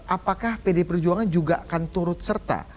apakah pd perjuangan juga akan turut serta